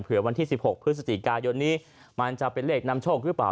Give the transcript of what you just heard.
วันที่๑๖พฤศจิกายนนี้มันจะเป็นเลขนำโชคหรือเปล่า